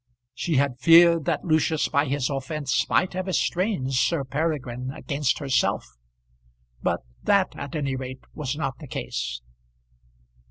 She had feared that Lucius by his offence might have estranged Sir Peregrine against herself; but that at any rate was not the case.